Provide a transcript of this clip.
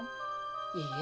いいえ。